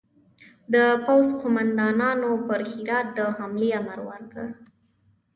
د پوځ قوماندانانو پر هرات د حملې امر ورکړ.